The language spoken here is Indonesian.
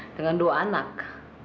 dengan dua anak